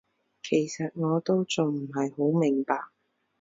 其實我都仲唔係好明白